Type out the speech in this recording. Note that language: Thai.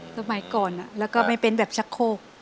สมัยก่อนแล้วก็ไม่เป็นแบบชักโคก